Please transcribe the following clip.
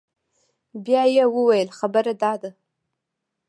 بيا يې وويل خبره دا ده.